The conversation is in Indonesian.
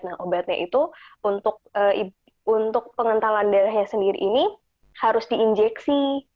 nah obatnya itu untuk pengentalan darahnya sendiri ini harus diinjeksi